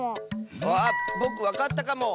あっぼくわかったかも！